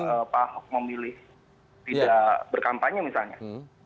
tidak berkampanye misalnya